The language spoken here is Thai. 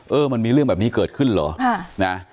เออมันมีเรื่องแบบนี้เกิดขึ้นเหรอ